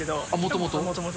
もともと？